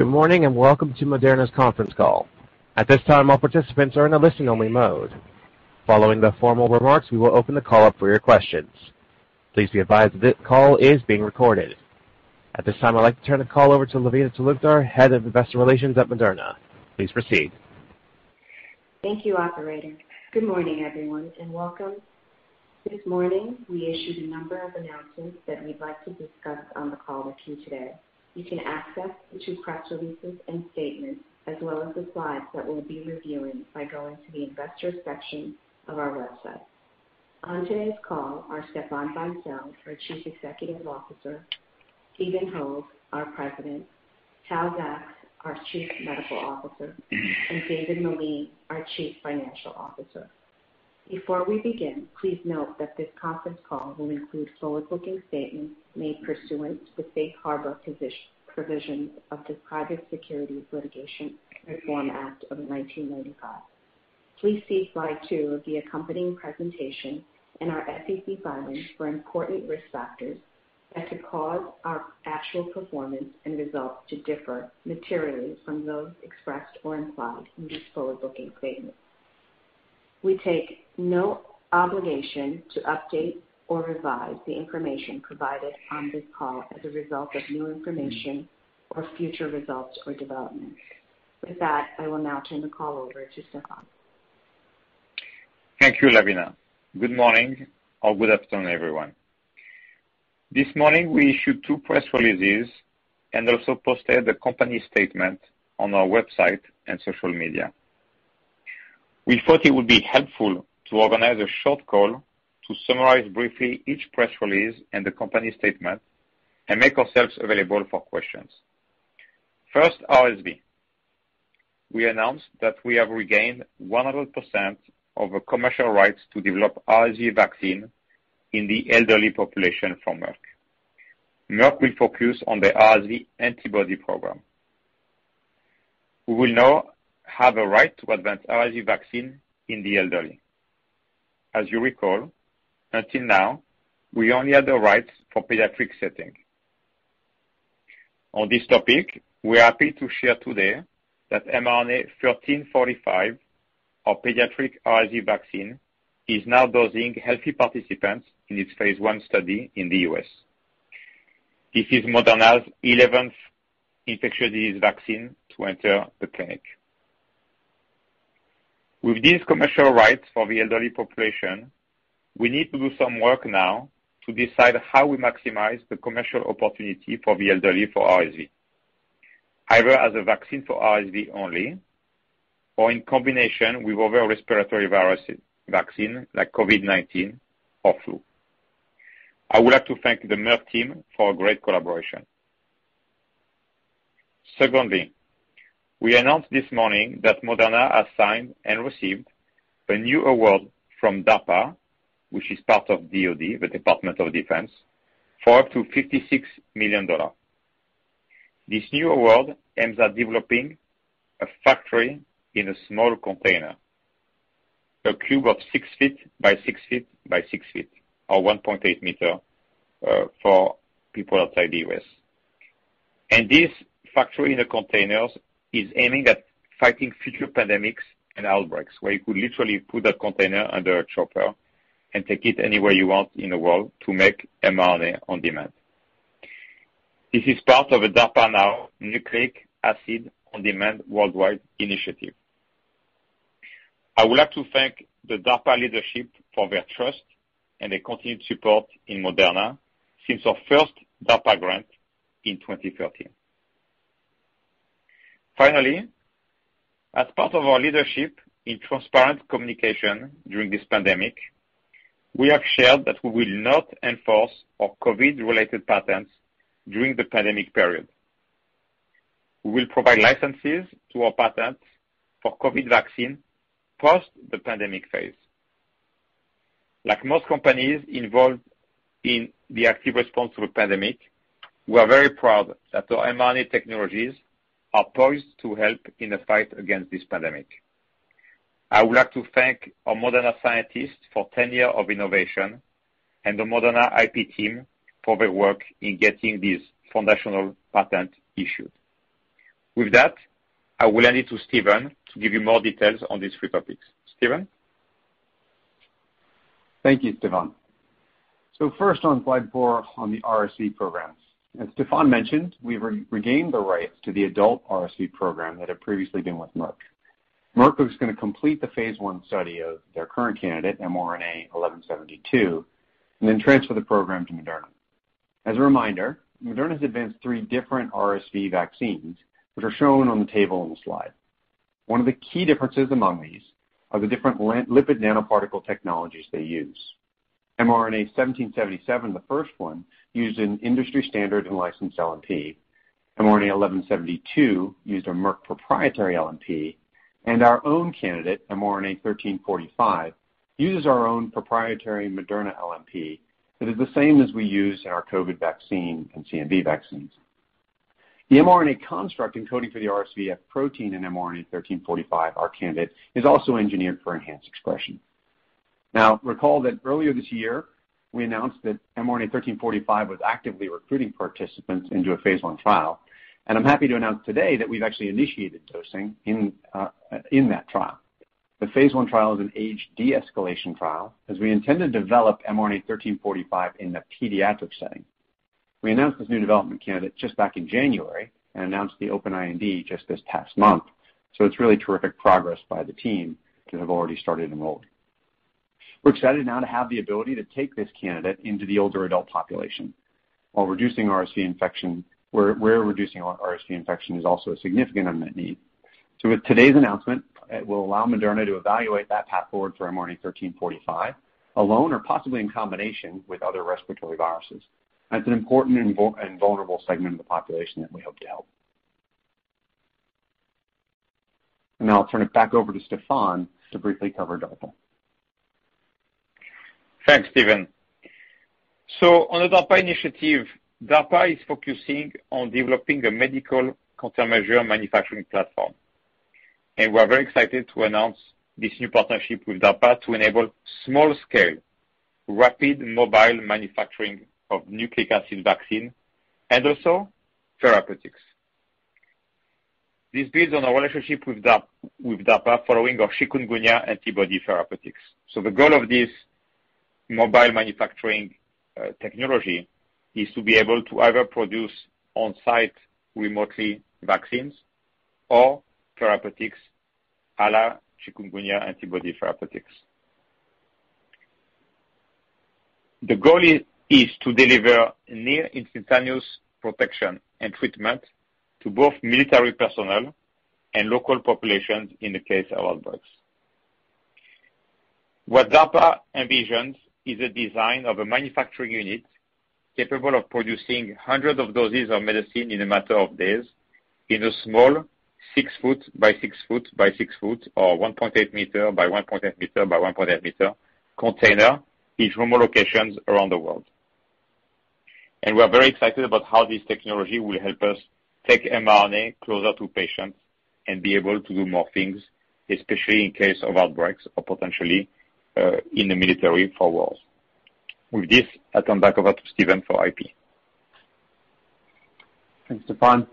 Good morning, and welcome to Moderna's conference call. At this time, all participants are in a listen only mode. Following the formal remarks, we will open the call up for your questions. Please be advised this call is being recorded. At this time, I'd like to turn the call over to Lavina Talukdar, Head of Investor Relations at Moderna. Please proceed. Thank you, Operator. Good morning, everyone, and welcome. This morning, we issued a number of announcements that we'd like to discuss on the call with you today. You can access the two press releases and statements as well as the slides that we'll be reviewing by going to the investor section of our website. On today's call are Stéphane Bancel, our Chief Executive Officer, Stephen Hoge, our President, Tal Zaks, our Chief Medical Officer, and David Meline, our Chief Financial Officer. Before we begin, please note that this conference call will include forward-looking statements made pursuant to the safe harbor provisions of the Private Securities Litigation Reform Act of 1995. Please see slide two of the accompanying presentation and our SEC filings for important risk factors that could cause our actual performance and results to differ materially from those expressed or implied in these forward-looking statements. We take no obligation to update or revise the information provided on this call as a result of new information or future results or developments. With that, I will now turn the call over to Stéphane. Thank you, Lavina. Good morning or good afternoon, everyone. This morning, we issued two press releases and also posted the company statement on our website and social media. We thought it would be helpful to organize a short call to summarize briefly each press release and the company statement and make ourselves available for questions. First, RSV. We announced that we have regained 100% of the commercial rights to develop RSV vaccine in the elderly population from Merck. Merck will focus on the RSV antibody program. We will now have a right to advance RSV vaccine in the elderly. As you recall, until now, we only had the rights for pediatric setting. On this topic, we are happy to share today that mRNA-1345, our pediatric RSV vaccine, is now dosing healthy participants in its phase I study in the U.S. This is Moderna's 11th infectious disease vaccine to enter the clinic. With these commercial rights for the elderly population, we need to do some work now to decide how we maximize the commercial opportunity for the elderly for RSV, either as a vaccine for RSV only or in combination with other respiratory virus vaccine like COVID-19 or flu. I would like to thank the Merck team for a great collaboration. Secondly, we announced this morning that Moderna has signed and received a new award from DARPA, which is part of DOD, the Department of Defense, for up to $56 million. This new award aims at developing a factory in a small container, a cube of 6 ft by 6 ft by 6 ft, or 1.8 m, for people outside the U.S. This factory in a container is aiming at fighting future pandemics and outbreaks, where you could literally put a container under a chopper and take it anywhere you want in the world to make mRNA on demand. This is part of a DARPA NOW, Nucleic acids On-demand Worldwide initiative. I would like to thank the DARPA leadership for their trust and their continued support in Moderna since our first DARPA grant in 2013. Finally, as part of our leadership in transparent communication during this pandemic, we have shared that we will not enforce our COVID-related patents during the pandemic period. We will provide licenses to our patents for COVID vaccine post the pandemic phase. Like most companies involved in the active response to a pandemic, we are very proud that our mRNA technologies are poised to help in the fight against this pandemic. I would like to thank our Moderna scientists for 10 year of innovation and the Moderna IP team for their work in getting this foundational patent issued. With that, I will hand it to Stephen to give you more details on these three topics. Stephen? Thank you, Stéphane. First on slide four on the RSV programs. As Stéphane mentioned, we've regained the rights to the adult RSV program that had previously been with Merck. Merck was going to complete the phase I study of their current candidate, mRNA-1172, and then transfer the program to Moderna. As a reminder, Moderna's advanced three different RSV vaccines, which are shown on the table on the slide. One of the key differences among these are the different lipid nanoparticle technologies they use. mRNA-1777, the first one, used an industry standard and licensed LNP. mRNA-1172 used a Merck proprietary LNP, and our own candidate, mRNA-1345, uses our own proprietary Moderna LNP that is the same as we use in our COVID vaccine and CMV vaccines. The mRNA construct encoding for the RSV F protein in mRNA-1345, our candidate, is also engineered for enhanced expression. Now, recall that earlier this year, we announced that mRNA-1345 was actively recruiting participants into a phase I trial. I'm happy to announce today that we've actually initiated dosing in that trial. The phase I trial is an age de-escalation trial, as we intend to develop mRNA-1345 in the pediatric setting. We announced this new development candidate just back in January and announced the open IND just this past month. It's really terrific progress by the team to have already started enrolling. We're excited now to have the ability to take this candidate into the older adult population, where reducing RSV infection is also a significant unmet need. With today's announcement, it will allow Moderna to evaluate that path forward for mRNA-1345, alone or possibly in combination with other respiratory viruses. That's an important and vulnerable segment of the population that we hope to help. I'll turn it back over to Stéphane to briefly cover DARPA. Thanks, Stephen. On the DARPA initiative, DARPA is focusing on developing a medical countermeasure manufacturing platform. We're very excited to announce this new partnership with DARPA to enable small-scale, rapid mobile manufacturing of nucleic acid vaccine and also therapeutics. This builds on our relationship with DARPA following our chikungunya antibody therapeutics. The goal of this mobile manufacturing technology is to be able to either produce on-site remotely vaccines or therapeutics a la chikungunya antibody therapeutics. The goal is to deliver near-instantaneous protection and treatment to both military personnel and local populations in the case of outbreaks. What DARPA envisions is a design of a manufacturing unit capable of producing hundreds of doses of medicine in a matter of days in a small 6 ft by 6 ft by 6 ft, or 1.8 m by 1.8 m by 1.8 m, container in remote locations around the world. We're very excited about how this technology will help us take mRNA closer to patients and be able to do more things, especially in case of outbreaks or potentially, in the military for wars. With this, I turn back over to Stephen for IP. Thanks, Stéphane.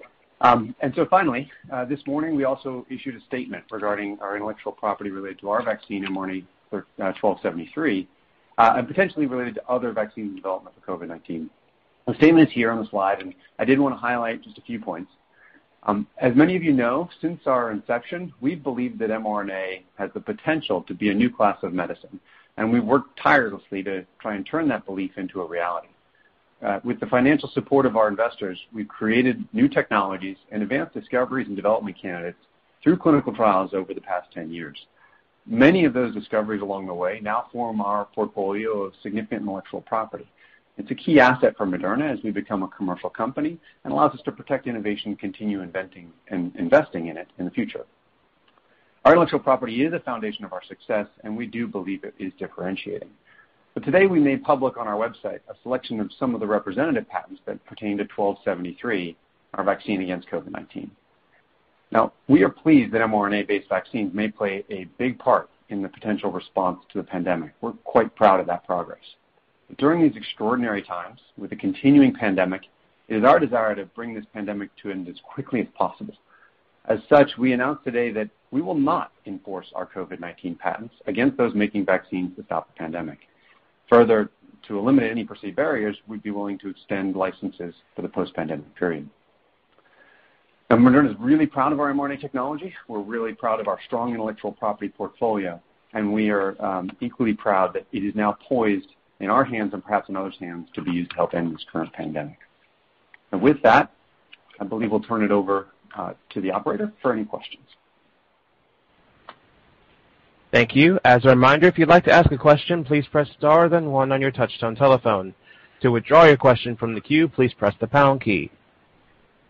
Finally, this morning we also issued a statement regarding our intellectual property related to our vaccine, mRNA-1273, and potentially related to other vaccine development for COVID-19. The statement is here on the slide, and I did want to highlight just a few points. As many of you know, since our inception, we believe that mRNA has the potential to be a new class of medicine, and we've worked tirelessly to try and turn that belief into a reality. With the financial support of our investors, we've created new technologies and advanced discoveries in development candidates through clinical trials over the past 10 years. Many of those discoveries along the way now form our portfolio of significant intellectual property. It's a key asset for Moderna as we become a commercial company and allows us to protect innovation and continue investing in it in the future. Our intellectual property is a foundation of our success, and we do believe it is differentiating. Today we made public on our website a selection of some of the representative patents that pertain to 1273, our vaccine against COVID-19. Now, we are pleased that mRNA-based vaccines may play a big part in the potential response to the pandemic. We're quite proud of that progress. During these extraordinary times, with the continuing pandemic, it is our desire to bring this pandemic to an end as quickly as possible. As such, we announce today that we will not enforce our COVID-19 patents against those making vaccines to stop the pandemic. Further, to eliminate any perceived barriers, we'd be willing to extend licenses for the post-pandemic period. Now, Moderna's really proud of our mRNA technology. We're really proud of our strong intellectual property portfolio, and we are equally proud that it is now poised in our hands and perhaps in others' hands to be used to help end this current pandemic. With that, I believe we'll turn it over to the operator for any questions. Thank you. As a reminder, if you'd like to ask a question, please press star then one on your touch-tone telephone. To withdraw your question from the queue, please press the pound key.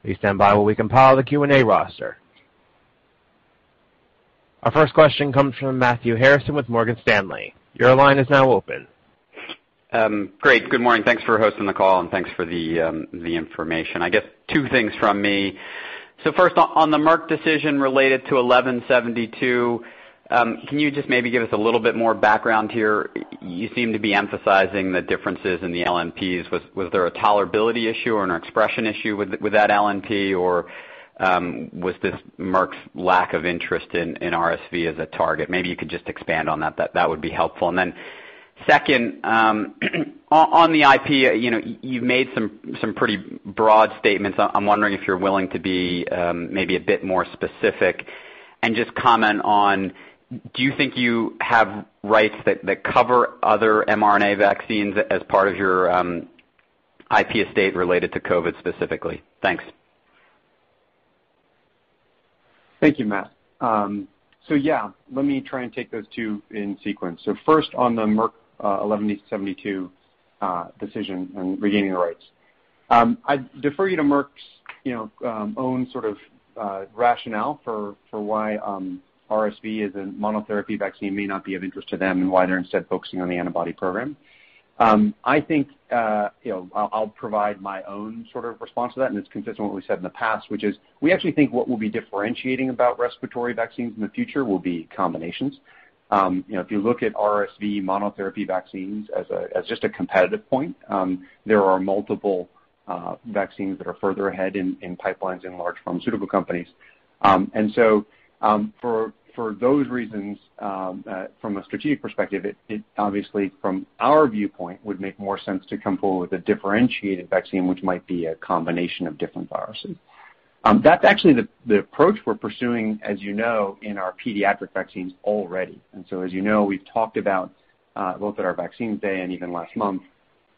Please standby as we compile our Q&A roster. Our first question comes from Matthew Harrison with Morgan Stanley. Your line is now open. Great. Good morning. Thanks for hosting the call and thanks for the information. I guess two things from me. First, on the Merck decision related to 1172, can you just maybe give us a little bit more background here? You seem to be emphasizing the differences in the LNPs. Was there a tolerability issue or an expression issue with that LNP, or was this Merck's lack of interest in RSV as a target? Maybe you could just expand on that. That would be helpful. Second, on the IP, you've made some pretty broad statements. I'm wondering if you're willing to be maybe a bit more specific and just comment on, do you think you have rights that cover other mRNA vaccines as part of your IP estate related to COVID specifically? Thanks. Thank you, Matt. Yeah, let me try and take those two in sequence. First on the Merck 1172 decision and regaining the rights. I defer you to Merck's own sort of rationale for why RSV as a monotherapy vaccine may not be of interest to them, and why they're instead focusing on the antibody program. I think I'll provide my own sort of response to that, and it's consistent with what we said in the past, which is, we actually think what will be differentiating about respiratory vaccines in the future will be combinations. If you look at RSV monotherapy vaccines as just a competitive point, there are multiple vaccines that are further ahead in pipelines in large pharmaceutical companies. For those reasons, from a strategic perspective, it obviously, from our viewpoint, would make more sense to come forward with a differentiated vaccine, which might be a combination of different viruses. That's actually the approach we're pursuing, as you know, in our pediatric vaccines already. As you know, we've talked about, both at our vaccines day and even last month,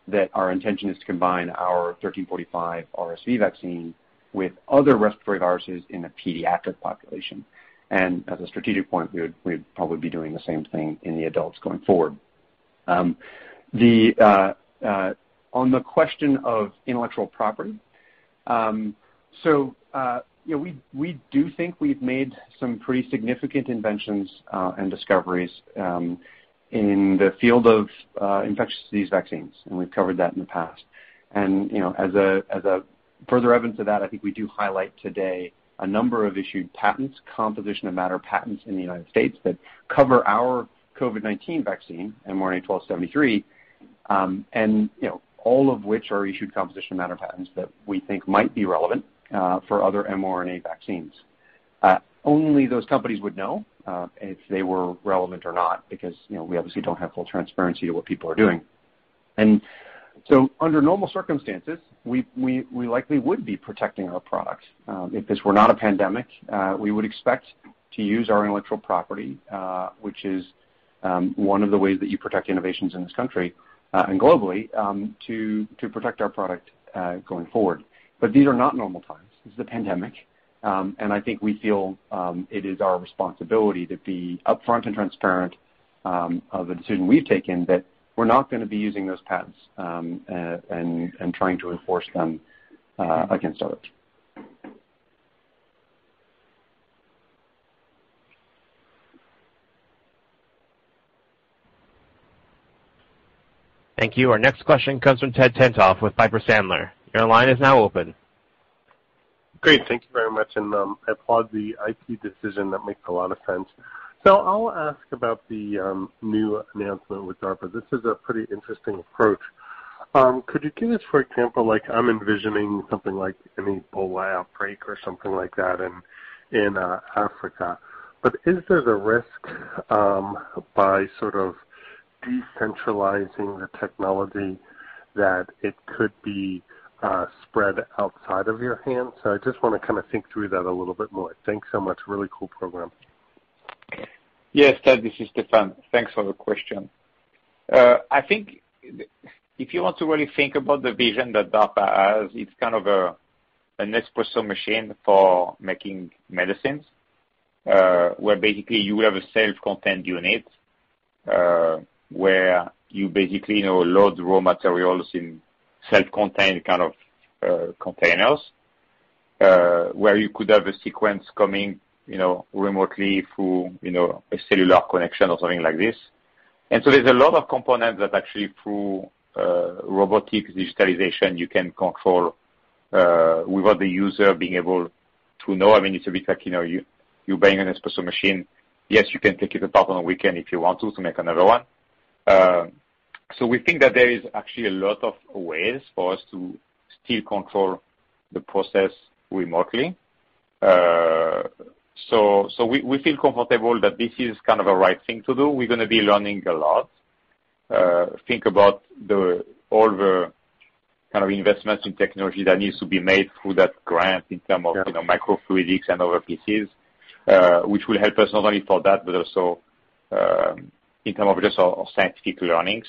that our intention is to combine our 1345 RSV vaccine with other respiratory viruses in a pediatric population. As a strategic point, we'd probably be doing the same thing in the adults going forward. On the question of intellectual property, so we do think we've made some pretty significant inventions and discoveries in the field of infectious disease vaccines, and we've covered that in the past. As further evidence of that, I think we do highlight today a number of issued patents, composition and matter patents in the United States that cover our COVID-19 vaccine, mRNA-1273, and all of which are issued composition matter patents that we think might be relevant for other mRNA vaccines. Only those companies would know if they were relevant or not, because we obviously don't have full transparency to what people are doing. Under normal circumstances, we likely would be protecting our product. If this were not a pandemic, we would expect to use our intellectual property, which is one of the ways that you protect innovations in this country and globally, to protect our product going forward. These are not normal times. This is a pandemic. I think we feel it is our responsibility to be upfront and transparent of the decision we've taken that we're not going to be using those patents and trying to enforce them against others. Thank you. Our next question comes from Ted Tenthoff with Piper Sandler. Your line is now open. Great. Thank you very much, and I applaud the [IP] decision. That makes a lot of sense. I'll ask about the new announcement with DARPA. This is a pretty interesting approach. Could you give us, for example, like I'm envisioning something like an Ebola outbreak or something like that in Africa. Is there a risk by sort of decentralizing the technology that it could be spread outside of your hands? I just want to kind of think through that a little bit more. Thanks so much. Really cool program. Yes, Ted, this is Stéphane. Thanks for the question. I think if you want to really think about the vision that DARPA has, it's kind of a Nespresso machine for making medicines, where basically you have a self-contained unit, where you basically load raw materials in self-contained kind of containers, where you could have a sequence coming remotely through a cellular connection or something like this. There's a lot of components that actually through robotic digitalization, you can control without the user being able to know. It's a bit like you're buying a Nespresso machine. Yes, you can take it apart on a weekend if you want to make another one. We think that there is actually a lot of ways for us to still control the process remotely. We feel comfortable that this is kind of a right thing to do. We're going to be learning a lot. Think about all the investments in technology that needs to be made through that grant in term of microfluidics and other pieces, which will help us not only for that, but also in term of just scientific learning.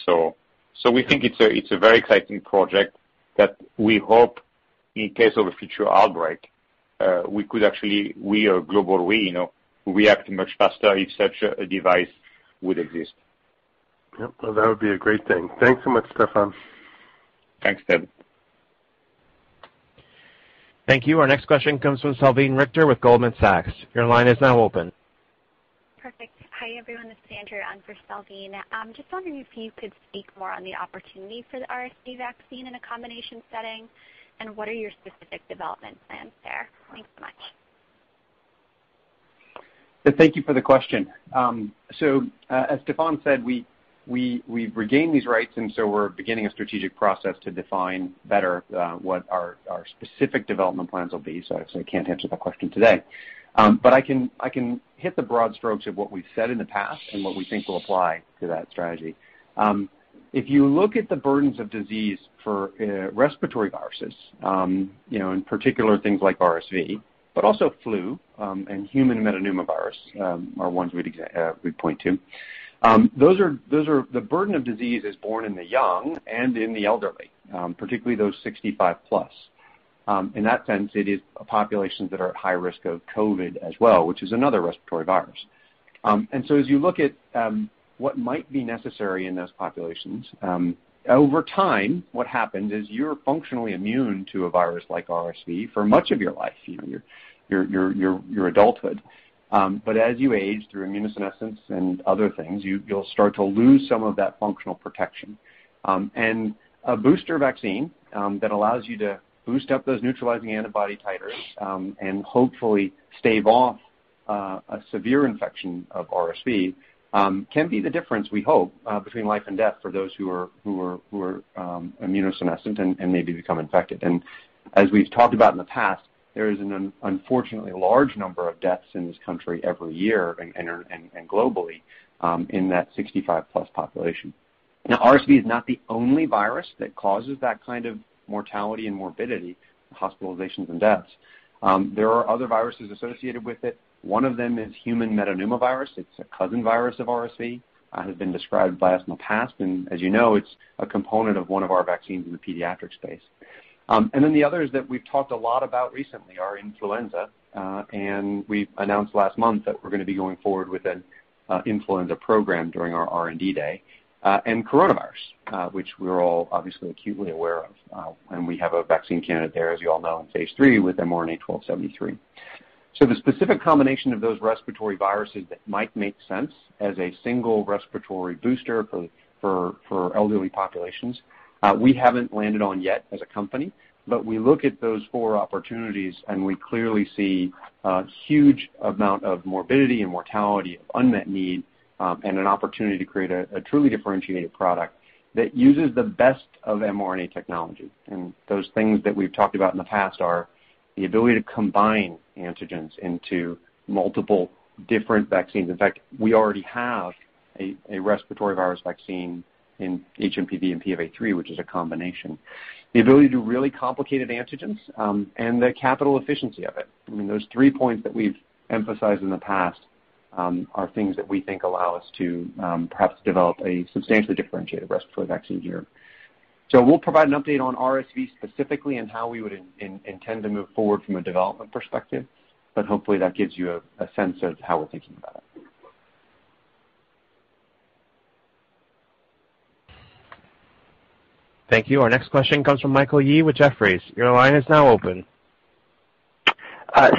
We think it's a very exciting project that we hope in case of a future outbreak we could actually, we or global we, react much faster if such a device would exist. Yep. Well, that would be a great thing. Thanks so much, Stéphane. Thanks, Ted. Thank you. Our next question comes from Salveen Richter with Goldman Sachs. Perfect. Hi, everyone. It's Sandra. I'm for Salveen. Just wondering if you could speak more on the opportunity for the RSV vaccine in a combination setting, and what are your specific development plans there? Thanks so much. Thank you for the question. As Stéphane said, we've regained these rights, we're beginning a strategic process to define better what our specific development plans will be. I can't answer that question today. I can hit the broad strokes of what we've said in the past and what we think will apply to that strategy. If you look at the burdens of disease for respiratory viruses, in particular things like RSV, but also flu and human metapneumovirus are ones we'd point to. The burden of disease is borne in the young and in the elderly, particularly those 65+. In that sense, it is populations that are at high risk of COVID as well, which is another respiratory virus. As you look at what might be necessary in those populations, over time, what happens is you're functionally immune to a virus like RSV for much of your life, your adulthood. As you age, through immunosenescence and other things, you'll start to lose some of that functional protection. A booster vaccine that allows you to boost up those neutralizing antibody titers and hopefully stave off a severe infection of RSV can be the difference, we hope, between life and death for those who are immunosenescent and maybe become infected. As we've talked about in the past, there is an unfortunately large number of deaths in this country every year, and globally, in that 65+ population. Now, RSV is not the only virus that causes that kind of mortality and morbidity, hospitalizations, and deaths. There are other viruses associated with it. One of them is human metapneumovirus. It's a cousin virus of RSV, has been described by us in the past, and as you know, it's a component of one of our vaccines in the pediatric space. The other is that we've talked a lot about recently are influenza, we announced last month that we're going to be going forward with an influenza program during our R&D day, and coronavirus, which we're all obviously acutely aware of. We have a vaccine candidate there, as you all know, in phase III with mRNA-1273. The specific combination of those respiratory viruses that might make sense as a single respiratory booster for elderly populations, we haven't landed on yet as a company. We look at those four opportunities, and we clearly see a huge amount of morbidity and mortality, unmet need, and an opportunity to create a truly differentiated product that uses the best of mRNA technology. Those things that we've talked about in the past are the ability to combine antigens into multiple different vaccines. In fact, we already have a respiratory virus vaccine in HMPV and PIV3, which is a combination. The ability to do really complicated antigens, and the capital efficiency of it. Those three points that we've emphasized in the past are things that we think allow us to perhaps develop a substantially differentiated respiratory vaccine here. We'll provide an update on RSV specifically and how we would intend to move forward from a development perspective, but hopefully that gives you a sense of how we're thinking about it. Thank you. Our next question comes from Michael Yee with Jefferies. Your line is now open.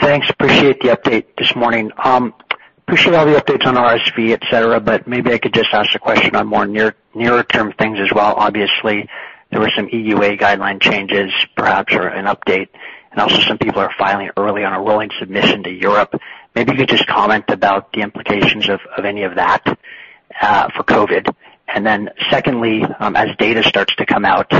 Thanks. Appreciate the update this morning. Appreciate all the updates on RSV, et cetera, but maybe I could just ask a question on more nearer-term things as well. Obviously, there were some EUA guideline changes, perhaps, or an update, and also some people are filing early on a rolling submission to Europe. Maybe you could just comment about the implications of any of that for COVID. Secondly, as data starts to come out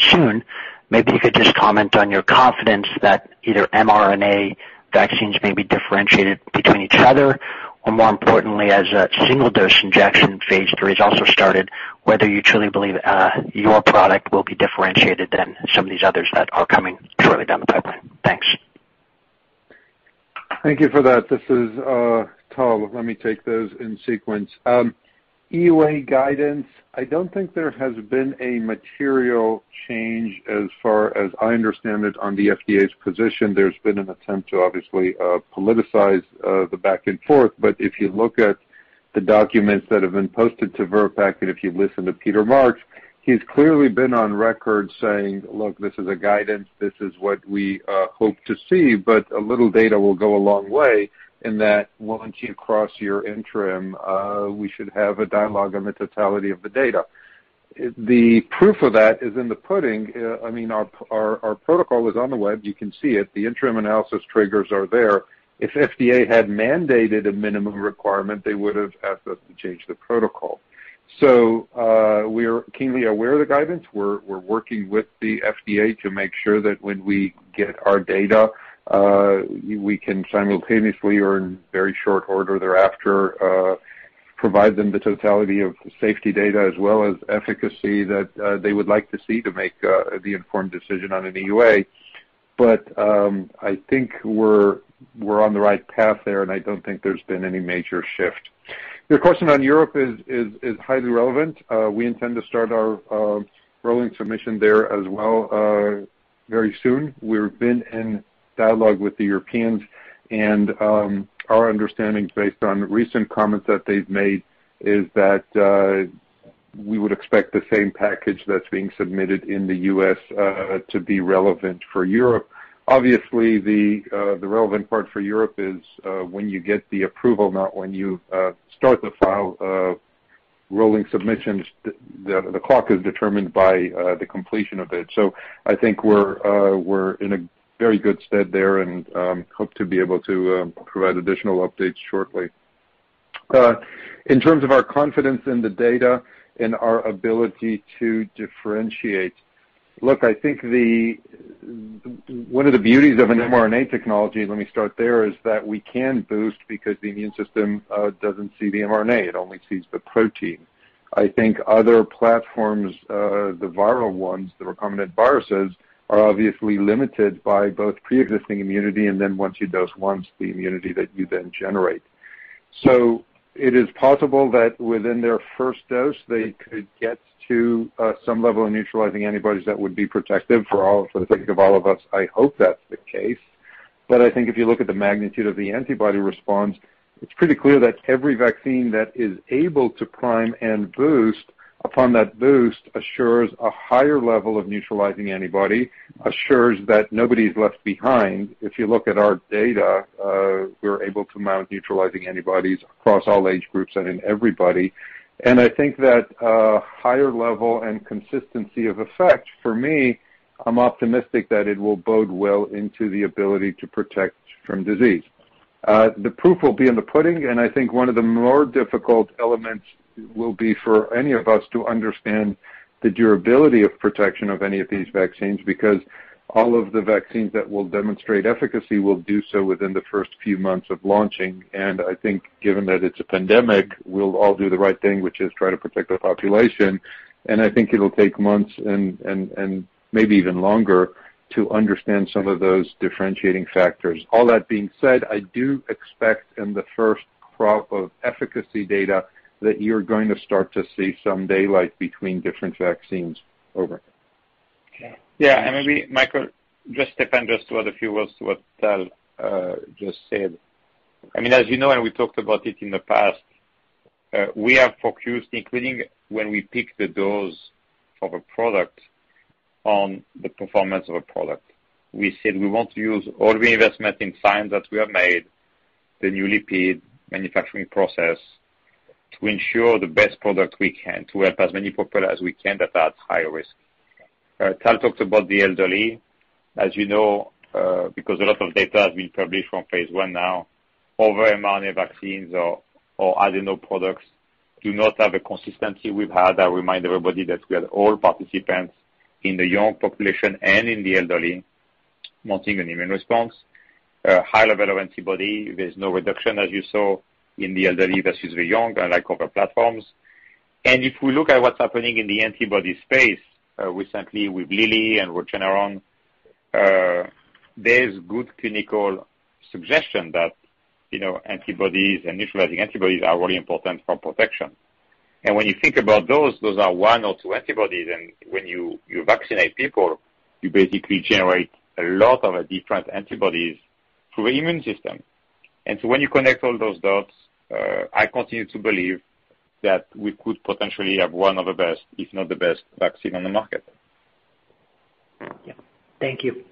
soon, maybe you could just comment on your confidence that either mRNA vaccines may be differentiated between each other, or more importantly, as a single-dose injection phase III has also started, whether you truly believe your product will be differentiated than some of these others that are coming shortly down the pipeline. Thanks. Thank you for that. This is Tal. Let me take those in sequence. EUA guidance, I don't think there has been a material change as far as I understand it on the FDA's position. There's been an attempt to obviously politicize the back and forth. If you look at the documents that have been posted to VRBPAC, and if you listen to Peter Marks, he's clearly been on record saying, "Look, this is a guidance. This is what we hope to see, but a little data will go a long way in that once you cross your interim, we should have a dialogue on the totality of the data." The proof of that is in the pudding. Our protocol is on the web. You can see it. The interim analysis triggers are there. If FDA had mandated a minimum requirement, they would have asked us to change the protocol. We're keenly aware of the guidance. We're working with the FDA to make sure that when we get our data, we can simultaneously or in very short order thereafter, provide them the totality of safety data as well as efficacy that they would like to see to make the informed decision on an EUA. I think we're on the right path there, and I don't think there's been any major shift. Your question on Europe is highly relevant. We intend to start our rolling submission there as well very soon. We've been in dialogue with the Europeans, and our understanding, based on recent comments that they've made, is that we would expect the same package that's being submitted in the U.S. to be relevant for Europe. Obviously, the relevant part for Europe is when you get the approval, not when you start the file of rolling submissions. The clock is determined by the completion of it. I think we're in a very good stead there and hope to be able to provide additional updates shortly. In terms of our confidence in the data and our ability to differentiate, look, I think one of the beauties of an mRNA technology, let me start there, is that we can boost because the immune system doesn't see the mRNA. It only sees the protein. I think other platforms, the viral ones, the recombinant viruses, are obviously limited by both pre-existing immunity and then once you dose once, the immunity that you then generate. It is possible that within their first dose, they could get to some level of neutralizing antibodies that would be protective. For the sake of all of us, I hope that's the case. I think if you look at the magnitude of the antibody response, it's pretty clear that every vaccine that is able to prime and boost, upon that boost assures a higher level of neutralizing antibody, assures that nobody's left behind. If you look at our data, we're able to mount neutralizing antibodies across all age groups and in everybody. I think that a higher level and consistency of effect, for me, I'm optimistic that it will bode well into the ability to protect from disease. The proof will be in the pudding, and I think one of the more difficult elements will be for any of us to understand the durability of protection of any of these vaccines, because all of the vaccines that will demonstrate efficacy will do so within the first few months of launching. I think given that it's a pandemic, we'll all do the right thing, which is try to protect the population, and I think it'll take months and maybe even longer to understand some of those differentiating factors. All that being said, I do expect in the first crop of efficacy data that you're going to start to see some daylight between different vaccines. Over. Yeah. Maybe, Michael, just to add a few words to what Tal just said. As you know, and we talked about it in the past, we have focused, including when we pick the dose of a product on the performance of a product. We said we want to use all the investment in science that we have made, the new lipid manufacturing process, to ensure the best product we can to help as many people as we can that are at higher risk. Tal talked about the elderly. As you know, because a lot of data has been published from phase I now, all the mRNA vaccines or adeno products do not have a consistency we've had. I remind everybody that we had all participants in the young population and in the elderly mounting an immune response, a high level of antibody. There's no reduction, as you saw, in the elderly versus the young, unlike other platforms. If we look at what's happening in the antibody space, recently with Lilly and Regeneron, there's good clinical suggestion that antibodies and neutralizing antibodies are really important for protection. When you think about those are one or two antibodies, and when you vaccinate people, you basically generate a lot of different antibodies through the immune system. When you connect all those dots, I continue to believe that we could potentially have one of the best, if not the best, vaccine on the market. Yeah. Thank you.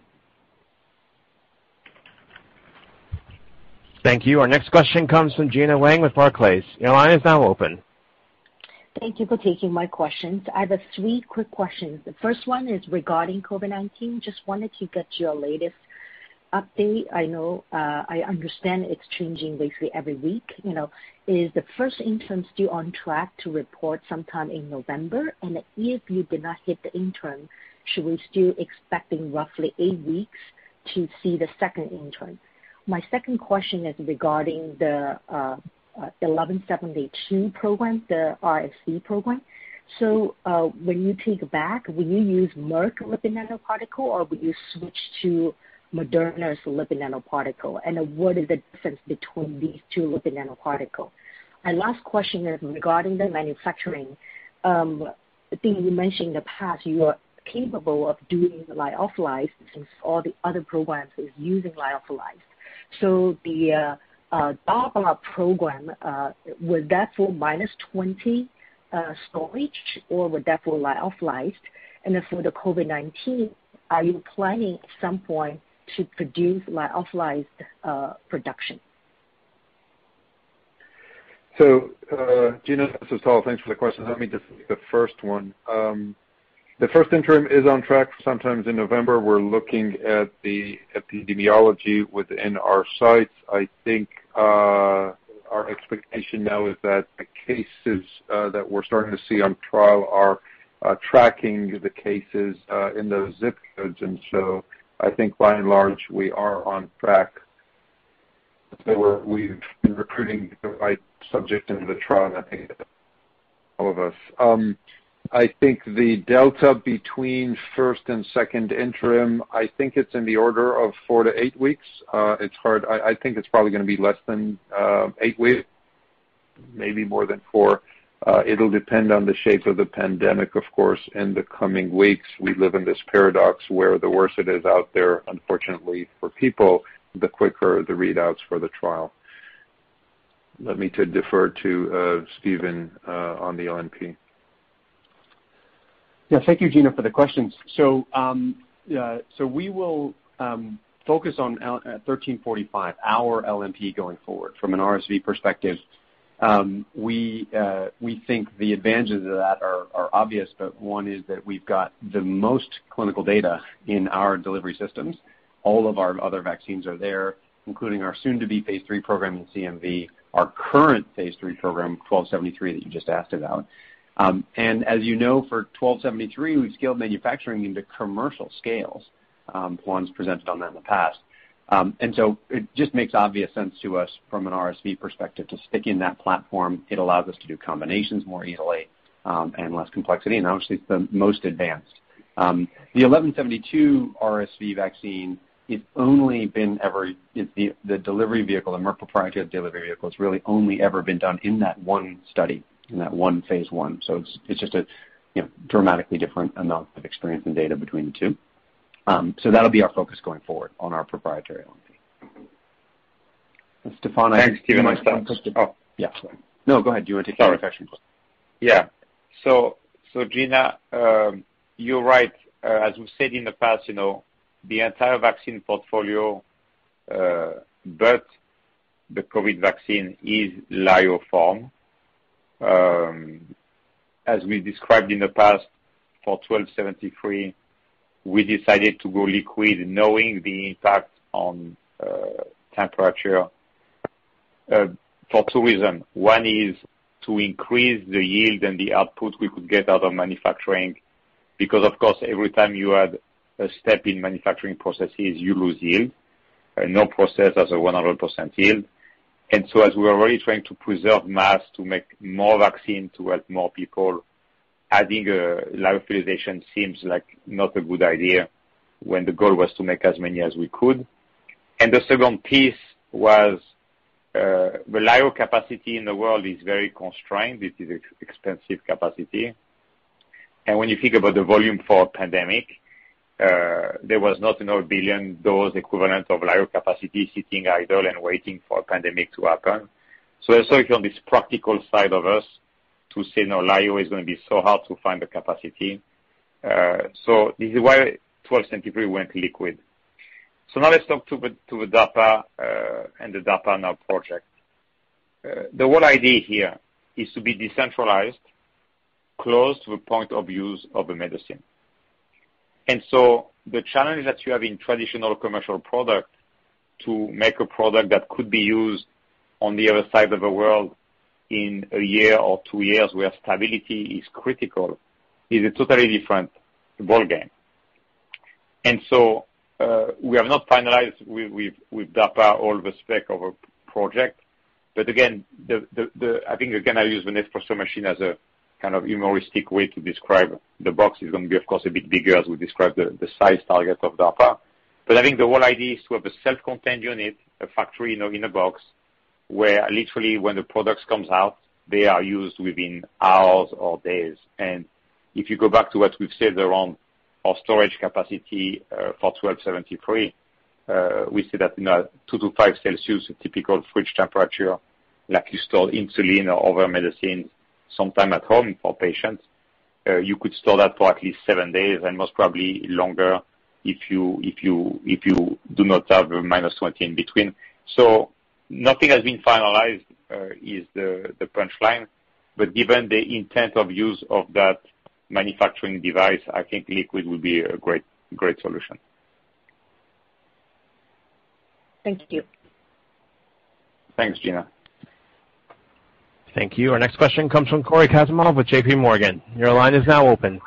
Thank you. Our next question comes from Gena Wang with Barclays. Your line is now open. Thank you for taking my questions. I have three quick questions. The first one is regarding COVID-19. Just wanted to get your latest update. I understand it's changing basically every week. Is the first interim still on track to report sometime in November? If you do not get the interim, should we still be expecting roughly eight weeks to see the second interim? My second question is regarding the mRNA-1172 program, the RSV program. When you take back, will you use Merck lipid nanoparticle, or will you switch to Moderna's lipid nanoparticle? What is the difference between these two lipid nanoparticle? My last question is regarding the manufacturing. I think you mentioned in the past you are capable of doing the lyophilized since all the other programs is using lyophilized. The DARPA program, was that for -20 storage, or was that for lyophilized? For the COVID-19, are you planning at some point to produce lyophilized production? Gena, this is Tal. Thanks for the question. Let me just take the first one. The first interim is on track for sometime in November. We're looking at the epidemiology within our sites. I think our expectation now is that the cases that we're starting to see on trial are tracking the cases in those zip codes. I think by and large, we are on track if we've been recruiting the right subject into the trial, I think all of us. I think the delta between first and second interim, I think it's in the order of four to eight weeks. It's hard. I think it's probably going to be less than eight weeks, maybe more than four. It'll depend on the shape of the pandemic, of course, in the coming weeks. We live in this paradox where the worse it is out there, unfortunately for people, the quicker the readouts for the trial. Let me defer to Stephen on the LNP. Yeah. Thank you, Gena, for the questions. We will focus on 1345, our LNP going forward from an RSV perspective. We think the advantages of that are obvious, but one is that we've got the most clinical data in our delivery systems. All of our other vaccines are there, including our soon-to-be phase III program in CMV, our current phase III program, 1273, that you just asked about. As you know, for 1273, we've scaled manufacturing into commercial scales. Juan's presented on that in the past. It just makes obvious sense to us from an RSV perspective to stick in that platform. It allows us to do combinations more easily and less complexity. Obviously, it's the most advanced. The 1172 RSV vaccine, the delivery vehicle, the Merck proprietary delivery vehicle, has really only ever been done in that one study, in that one phase I. It's just a dramatically different amount of experience and data between the two. That'll be our focus going forward on our proprietary LNP. Thanks. Stéphane. Thanks for keeping my stuff. Oh, yeah. Sorry. No, go ahead. Sorry. Yeah. Gena, you're right. As we've said in the past, the entire vaccine portfolio, but the COVID vaccine is lyophilized. As we described in the past, for 1273, we decided to go liquid, knowing the impact on temperature, for two reasons. One is to increase the yield and the output we could get out of manufacturing, because, of course, every time you add a step in manufacturing processes, you lose yield. No process has a 100% yield. As we were already trying to preserve mass to make more vaccine to help more people, adding lyophilization seems like not a good idea when the goal was to make as many as we could. The second piece was, reliable capacity in the world is very constrained. It is expensive capacity. When you think about the volume for a pandemic, there was not 1 billion dose equivalent of lyo capacity sitting idle and waiting for a pandemic to occur. On this practical side of us to say now lyo is going to be so hard to find the capacity. This is why 1273 went liquid. Now let's talk to the DARPA and the DARPA NOW project. The whole idea here is to be decentralized, close to a point of use of a medicine. The challenge that you have in traditional commercial product to make a product that could be used on the other side of the world in one year or two years, where stability is critical, is a totally different ballgame. We have not finalized with DARPA all the spec of a project, but again, I think I'm going to use the Nespresso machine as a kind of humoristic way to describe the box is going to be, of course, a bit bigger as we describe the size target of DARPA. I think the whole idea is to have a self-contained unit, a factory in a box, where literally when the products comes out, they are used within hours or days. If you go back to what we've said around our storage capacity, for 1273, we said that in a 2-5 degrees Celsius typical fridge temperature, like you store insulin or other medicines sometime at home for patients, you could store that for at least seven days, and most probably longer if you do not have the -20 in between. Nothing has been finalized, is the punchline. Given the intent of use of that manufacturing device, I think liquid will be a great solution. Thank you. Thanks, Gena. Thank you. Our next question comes from Cory Kasimov with JPMorgan. Your line is now open.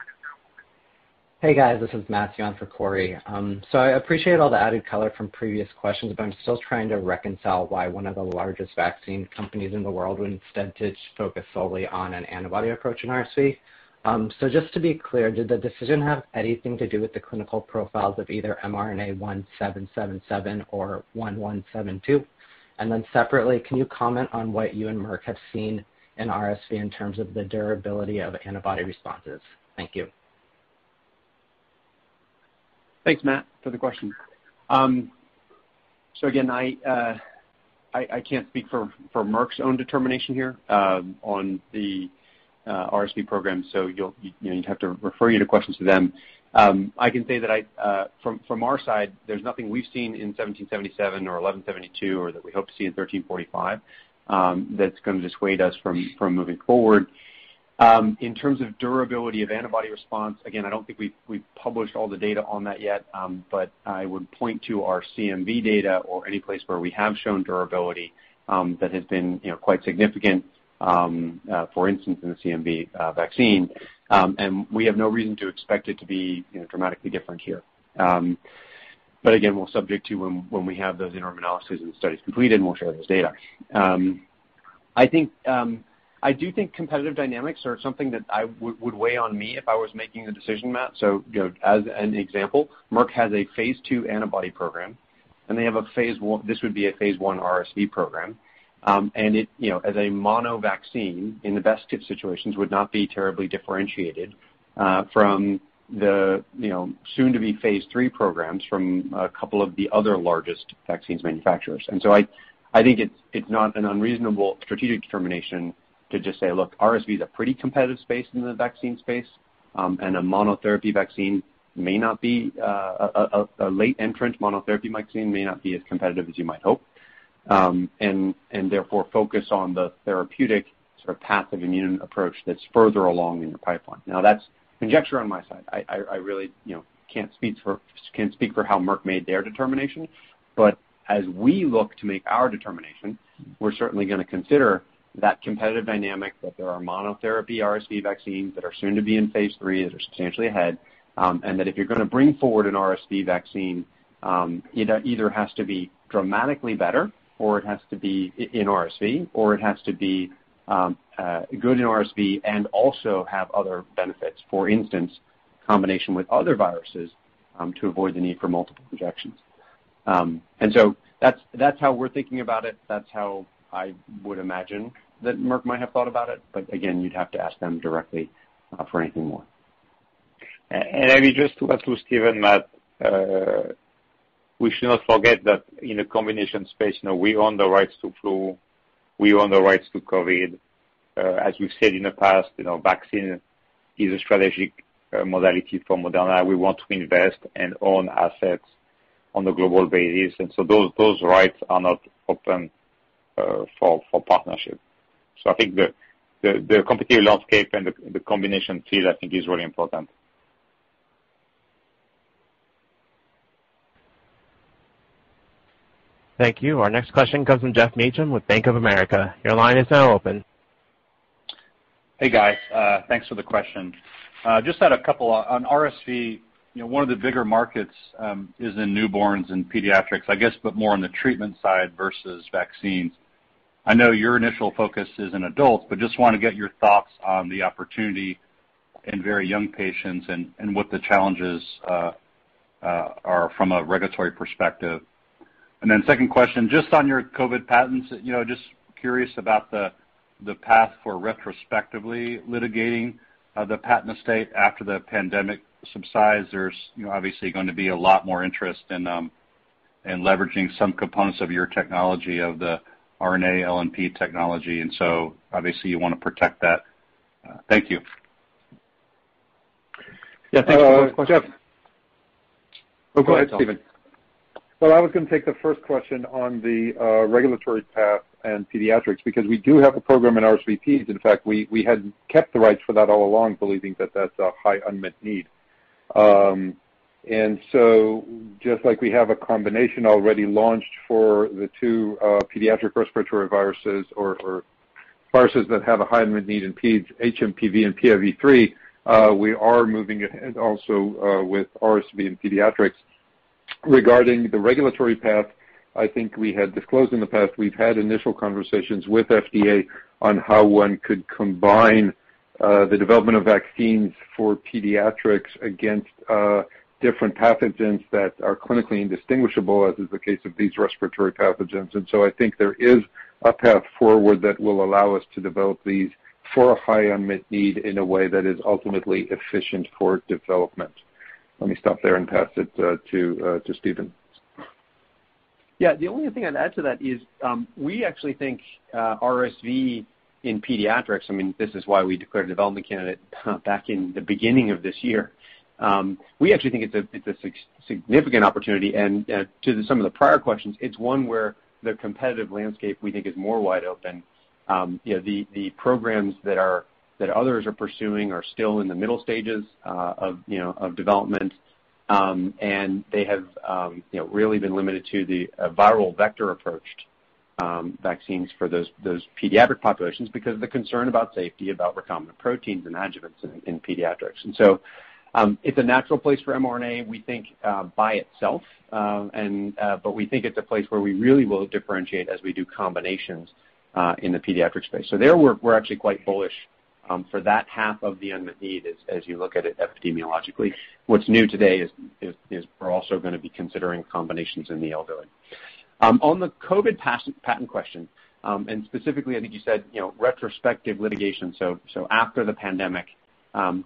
Hey, guys, this is Matthew on for Cory. I appreciate all the added color from previous questions, but I'm still trying to reconcile why one of the largest vaccine companies in the world would instead just focus solely on an antibody approach in RSV. Just to be clear, did the decision have anything to do with the clinical profiles of either mRNA-1777 or mRNA-1172? Separately, can you comment on what you and Merck have seen in RSV in terms of the durability of antibody responses? Thank you. Thanks, Matt, for the question. Again, I can't speak for Merck's own determination here on the RSV program, so you'd have to refer your questions to them. I can say that from our side, there's nothing we've seen in 1777 or 1172 or that we hope to see in 1345 that's going to dissuade us from moving forward. In terms of durability of antibody response, again, I don't think we've published all the data on that yet, but I would point to our CMV data or any place where we have shown durability that has been quite significant, for instance, in the CMV vaccine. We have no reason to expect it to be dramatically different here. Again, we'll subject to when we have those interim analyses and studies completed, and we'll share those data. I do think competitive dynamics are something that would weigh on me if I was making the decision, Matt. As an example, Merck has a phase II antibody program, and this would be a phase I RSV program. As a monovaccine, in the best of situations, would not be terribly differentiated from the soon-to-be phase III programs from a couple of the other largest vaccines manufacturers. I think it's not an unreasonable strategic determination to just say, "Look, RSV is a pretty competitive space in the vaccine space, and a monotherapy vaccine may not be a late entrant monotherapy vaccine may not be as competitive as you might hope, and therefore focus on the therapeutic sort of passive immune approach that's further along in your pipeline." Now that's conjecture on my side. I really can't speak for how Merck made their determination. As we look to make our determination, we're certainly going to consider that competitive dynamic, that there are monotherapy RSV vaccines that are soon to be in phase III, that are substantially ahead, and that if you're going to bring forward an RSV vaccine, it either has to be dramatically better in RSV, or it has to be good in RSV and also have other benefits, for instance, combination with other viruses, to avoid the need for multiple injections. That's how we're thinking about it. That's how I would imagine that Merck might have thought about it. Again, you'd have to ask them directly for anything more. Maybe just to add to Stephen, Matt. We should not forget that in the combination space, we own the rights to flu, we own the rights to COVID. As we've said in the past, vaccine is a strategic modality for Moderna. We want to invest and own assets on a global basis, and so those rights are not open for partnership. I think the competitive landscape and the combination field I think is really important. Thank you. Our next question comes from Geoff Meacham with Bank of America. Your line is now open. Hey, guys. Thanks for the question. Just had a couple on RSV. One of the bigger markets is in newborns and pediatrics, I guess, but more on the treatment side versus vaccines. I know your initial focus is in adults, but just want to get your thoughts on the opportunity in very young patients and what the challenges are from a regulatory perspective. Second question, just on your COVID patents, just curious about the path for retrospectively litigating the patent estate after the pandemic subsides. There's obviously going to be a lot more interest in leveraging some components of your technology, of the RNA-LNP technology. Obviously you want to protect that. Thank you. Yeah. Thanks for those questions. Geoff. Oh, go ahead, Stephen. I was going to take the first question on the regulatory path and pediatrics, because we do have a program in RSV pedes. In fact, we had kept the rights for that all along, believing that that's a high unmet need. Just like we have a combination already launched for the two pediatric respiratory viruses or viruses that have a high unmet need in peds, HMPV and PIV3, we are moving ahead also with RSV in pediatrics. Regarding the regulatory path, I think we had disclosed in the past, we've had initial conversations with FDA on how one could combine the development of vaccines for pediatrics against different pathogens that are clinically indistinguishable, as is the case of these respiratory pathogens. I think there is a path forward that will allow us to develop these for a high unmet need in a way that is ultimately efficient for development. Let me stop there and pass it to Stephen. Yeah. The only thing I'd add to that is we actually think RSV in pediatrics, this is why we declared a development candidate back in the beginning of this year. We actually think it's a significant opportunity, and to some of the prior questions, it's one where the competitive landscape, we think, is more wide open. The programs that others are pursuing are still in the middle stages of development, and they have really been limited to the viral vector approached vaccines for those pediatric populations because of the concern about safety, about recombinant proteins and adjuvants in pediatrics. It's a natural place for mRNA, we think by itself, but we think it's a place where we really will differentiate as we do combinations in the pediatric space. There, we're actually quite bullish for that half of the unmet need as you look at it epidemiologically. What's new today is we're also going to be considering combinations in the elderly. On the COVID-19 patent question, and specifically, I think you said retrospective litigation, so after the pandemic,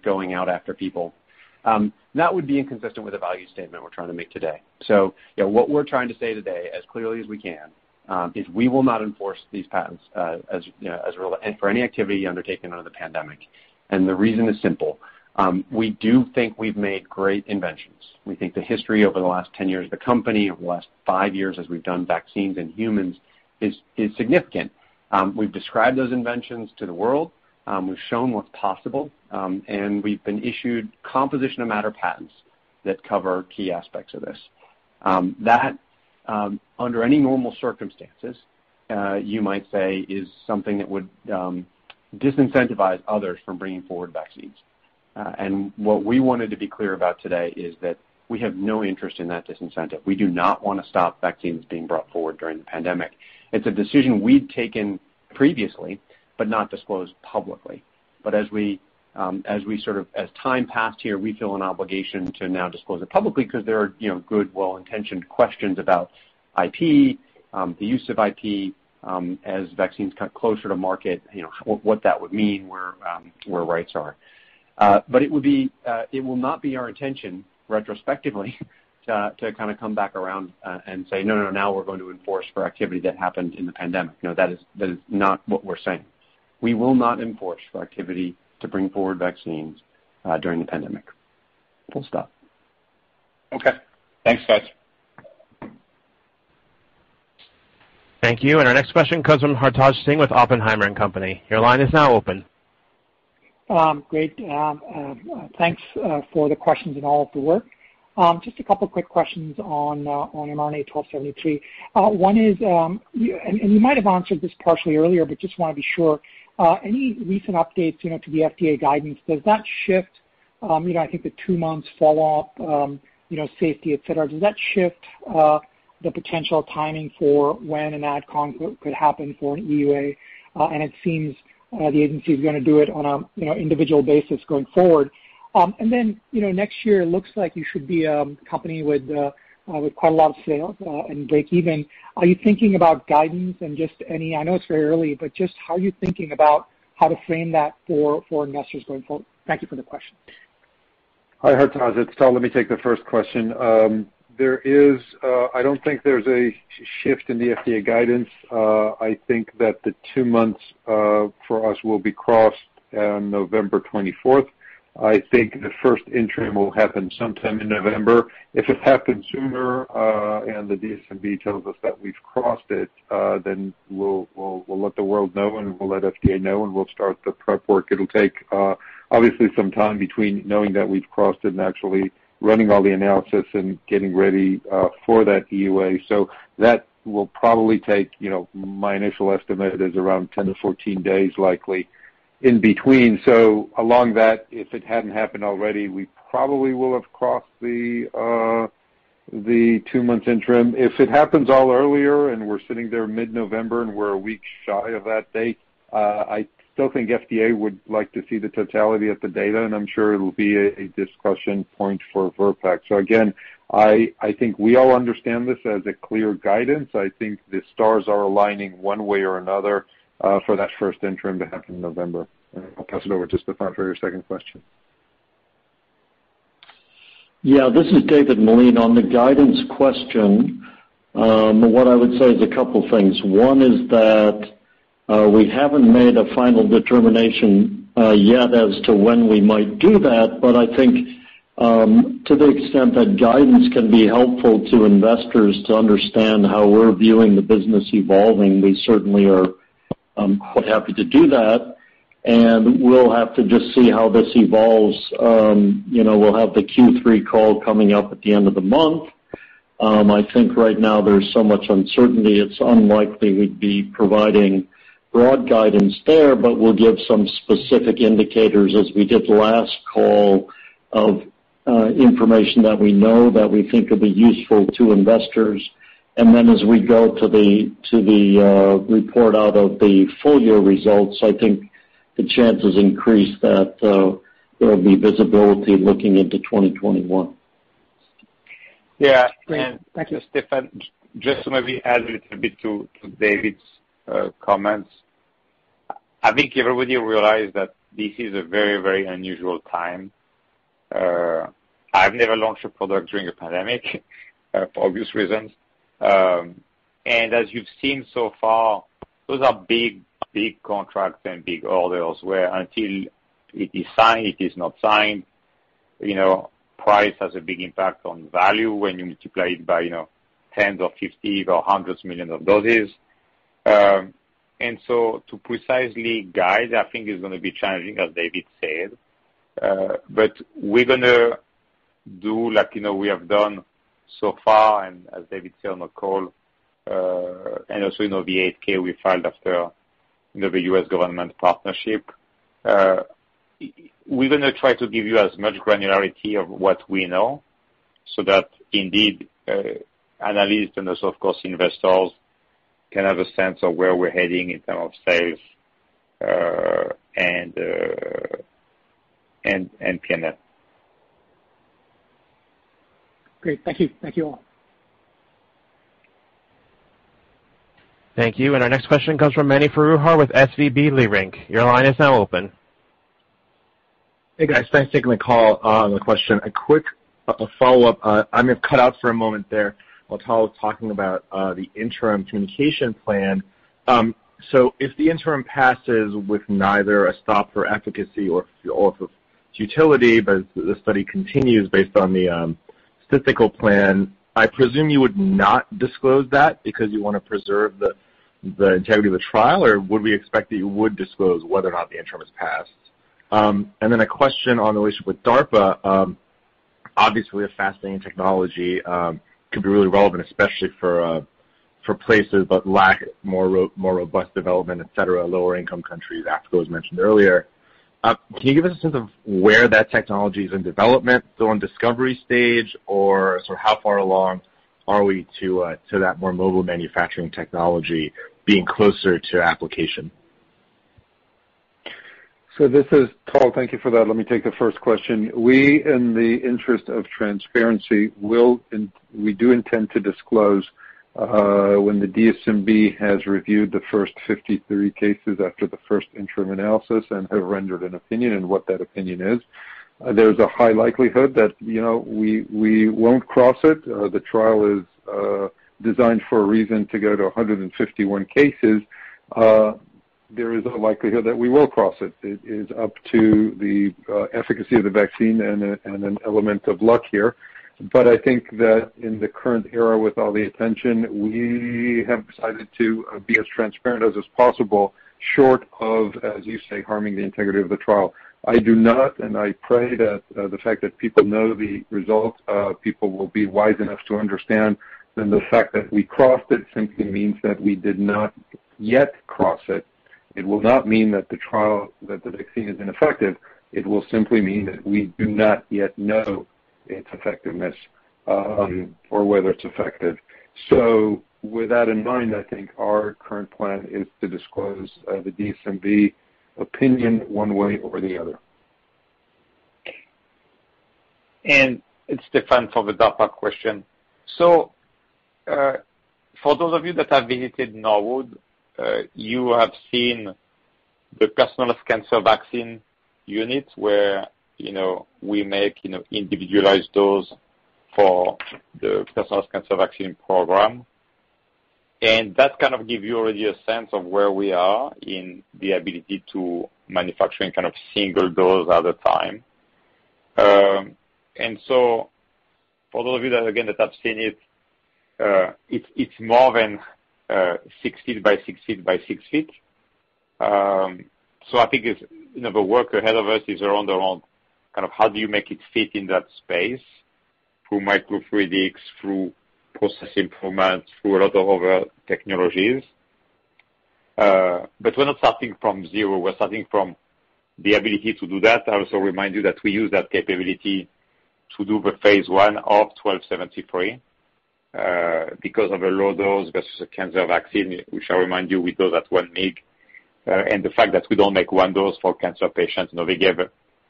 going out after people, that would be inconsistent with the value statement we're trying to make today. What we're trying to say today as clearly as we can is we will not enforce these patents for any activity undertaken under the pandemic. The reason is simple. We do think we've made great inventions. We think the history over the last 10 years of the company, over the last five years as we've done vaccines in humans, is significant. We've described those inventions to the world, we've shown what's possible, and we've been issued composition and matter patents that cover key aspects of this. That, under any normal circumstances, you might say is something that would disincentivize others from bringing forward vaccines. What we wanted to be clear about today is that we have no interest in that disincentive. We do not want to stop vaccines being brought forward during the pandemic. It's a decision we'd taken previously, but not disclosed publicly. As time passed here, we feel an obligation to now disclose it publicly because there are good, well-intentioned questions about IP, the use of IP as vaccines come closer to market, what that would mean, where rights are. It will not be our intention retrospectively to kind of come back around and say, "No, now we're going to enforce for activity that happened in the pandemic." That is not what we're saying. We will not enforce for activity to bring forward vaccines during the pandemic. Full stop. Okay. Thanks, guys. Thank you. Our next question comes from Hartaj Singh with Oppenheimer & Co. Your line is now open. Great. Thanks for the questions and all of the work. Just a couple of quick questions on mRNA-1273. One is, you might have answered this partially earlier, just want to be sure. Any recent updates to the FDA guidance? Does that shift I think the two months fall off safety, et cetera? Does that shift the potential timing for when an AdCom could happen for an EUA? It seems the agency is going to do it on an individual basis going forward. Next year, it looks like you should be a company with quite a lot of sales and breakeven. Are you thinking about guidance, I know it's very early, how are you thinking about how to frame that for investors going forward? Thank you for the question. Hi, Hartaj. It's Tal. Let me take the first question. I don't think there's a shift in the FDA guidance. I think that the two months for us will be crossed on November 24th. I think the first interim will happen sometime in November. If it happens sooner, and the DSMB tells us that we've crossed it, then we'll let the world know, and we'll let FDA know, and we'll start the prep work. It'll take, obviously, some time between knowing that we've crossed it and actually running all the analysis and getting ready for that EUA. That will probably take, my initial estimate is around 10-14 days likely in between. Along that, if it hadn't happened already, we probably will have crossed the two months interim. If it happens all earlier and we're sitting there mid-November and we're a week shy of that date, I still think FDA would like to see the totality of the data, and I'm sure it'll be a discussion point for VRBPAC. Again, I think we all understand this as a clear guidance. I think the stars are aligning one way or another for that first interim to happen in November. I'll pass it over to Stéphane for your second question. Yeah. This is David Meline. On the guidance question, what I would say is a couple things. One is that we haven't made a final determination yet as to when we might do that. I think to the extent that guidance can be helpful to investors to understand how we're viewing the business evolving, we certainly are quite happy to do that. We'll have to just see how this evolves. We'll have the Q3 call coming up at the end of the month. I think right now there's so much uncertainty, it's unlikely we'd be providing broad guidance there, but we'll give some specific indicators as we did last call of information that we know that we think will be useful to investors. As we go to the report out of the full-year results, I think the chances increase that there will be visibility looking into 2021. Yeah. Great. Thank you. This is Stéphane. Just to maybe add a little bit to David's comments. I think everybody realize that this is a very, very unusual time. I've never launched a product during a pandemic for obvious reasons. As you've seen so far, those are big contracts and big orders where until it is signed, it is not signed. Price has a big impact on value when you multiply it by 10s or 50s or 100s million of doses. To precisely guide, I think it's going to be challenging, as David said. We're going to do like we have done so far, and as David said on the call, and also the 8-K we filed after the U.S. government partnership. We're going to try to give you as much granularity of what we know so that indeed, analysts and also, of course, investors can have a sense of where we're heading in terms of sales and P&L. Great. Thank you. Thank you all. Thank you. Our next question comes from Mani Foroohar with SVB Leerink. Your line is now open. Hey, guys. Thanks for taking my call and the question. A quick follow-up. I may have cut out for a moment there while Tal was talking about the interim communication plan. If the interim passes with neither a stop for efficacy or for [futility], but the study continues based on the statistical plan, I presume you would not disclose that because you want to preserve the integrity of the trial, or would we expect that you would disclose whether or not the interim has passed? A question on the relationship with DARPA. Obviously, a fascinating technology. Could be really relevant, especially for places that lack more robust development, et cetera, lower income countries. Africa was mentioned earlier. Can you give us a sense of where that technology is in development? Still in discovery stage or sort of how far along are we to that more mobile manufacturing technology being closer to application? This is Tal. Thank you for that. Let me take the first question. We, in the interest of transparency, we do intend to disclose when the DSMB has reviewed the first 53 cases after the first interim analysis and have rendered an opinion and what that opinion is. There's a high likelihood that we won't cross it. The trial is designed for a reason to go to 151 cases. There is a likelihood that we will cross it. It is up to the efficacy of the vaccine and an element of luck here. I think that in the current era, with all the attention, we have decided to be as transparent as is possible, short of, as you say, harming the integrity of the trial. I do not, I pray that the fact that people know the results, people will be wise enough to understand that the fact that we crossed it simply means that we did not yet cross it. It will not mean that the vaccine is ineffective. It will simply mean that we do not yet know its effectiveness or whether it's effective. With that in mind, I think our current plan is to disclose the DSMB opinion one way or the other. It's Stéphane for the DARPA question. For those of you that have visited Norwood you have seen. The personalized cancer vaccine unit where we make individualized dose for the personalized cancer vaccine program. That kind of give you already a sense of where we are in the ability to manufacturing kind of single dose at a time. For those of you that, again, that have seen it's more than 6 ft by 6 ft by 6 ft. I think the work ahead of us is around how do you make it fit in that space through microfluidics, through process improvements, through a lot of other technologies. We're not starting from zero. We're starting from the ability to do that. I also remind you that we use that capability to do the phase I of mRNA-1273, because of a low dose versus a cancer vaccine, which I remind you, we do that 1 mg. The fact that we don't make one dose for cancer patients.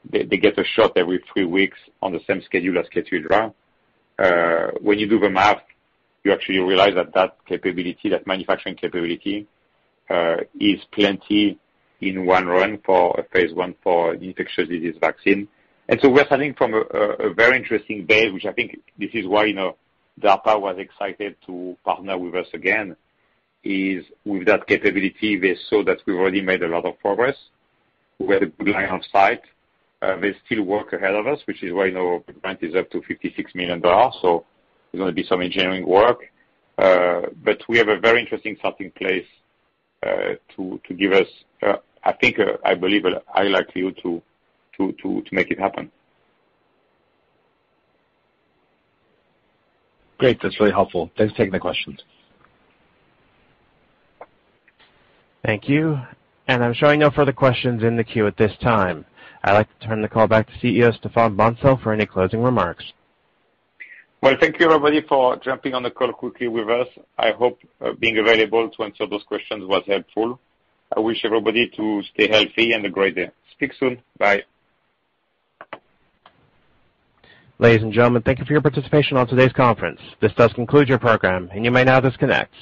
They get a shot every three weeks on the same schedule as KEYTRUDA. When you do the math, you actually realize that that manufacturing capability is plenty in one run for a phase I for infectious disease vaccine. We're starting from a very interesting base, which I think this is why DARPA was excited to partner with us again, is with that capability, they saw that we've already made a lot of progress. We have a good line of sight. There's still work ahead of us, which is why our grant is up to $56 million. There's going to be some engineering work. We have a very interesting starting place, to give us I believe a high likelihood to make it happen. Great. That's really helpful. Thanks for taking the questions. Thank you. I'm showing no further questions in the queue at this time. I'd like to turn the call back to CEO, Stéphane Bancel, for any closing remarks. Well, thank you, everybody, for jumping on the call quickly with us. I hope being available to answer those questions was helpful. I wish everybody to stay healthy and a great day. Speak soon. Bye. Ladies and gentlemen, thank you for your participation on today's conference. This does conclude your program, and you may now disconnect.